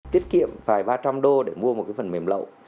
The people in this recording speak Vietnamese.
tiết kiệm phải ba trăm linh đô để mua một cái phần mềm lậu